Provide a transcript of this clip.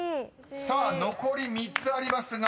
［さあ残り３つありますが］